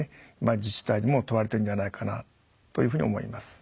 自治体でも問われてるんではないかなというふうに思います。